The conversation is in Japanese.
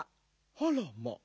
あらまあ。